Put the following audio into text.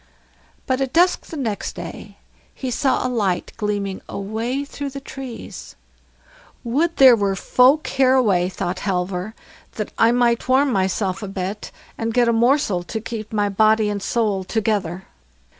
But at dusk the next day he saw a light gleaming away through the trees. "Would there were folk hereaway", thought Halvor, "that I might warm myself a bit and get a morsel to keep body and soul together."